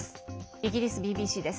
イギリスＢＢＣです。